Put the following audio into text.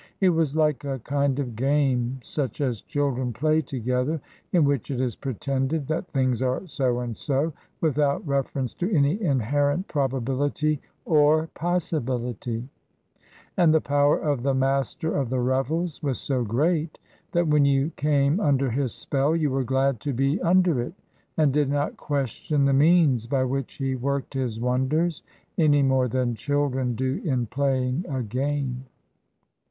It was like a kind of game, such as children play together, in which it is pretended that things are so and so, without ref erence to any inherent probability or possibility; and the power of the master of the revels was so great that when you came under his spell you were glad to be under it, and did not question the means by which he worked his wonders, any more than children do in playing a game.